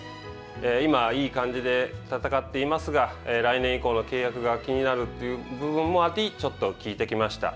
今、いい感じで戦っていますが来年以降の契約が気になるという部分もありちょっと聞いてきました。